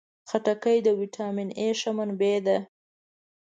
خټکی د ویټامین A ښه منبع ده.